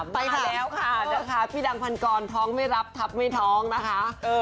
ไปแล้วค่ะนะคะพี่ดังพันกรท้องไม่รับทับไม่ท้องนะคะ